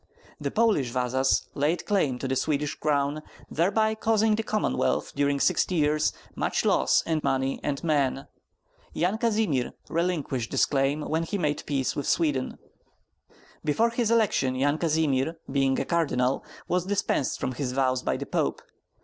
The Polish Vasas laid claim to the Swedish crown, thereby causing the Commonwealth during sixty years much loss in money and men. Yan Kazimir relinquished this claim when he made peace with Sweden. Before his election Yan Kazimir, being a cardinal, was dispensed from his vows by the Pope.